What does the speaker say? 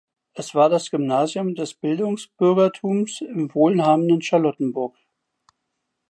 Es war das Gymnasium des Bildungsbürgertums im wohlhabenden Charlottenburg.